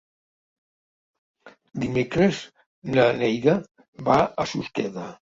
Dimecres na Neida va a Susqueda.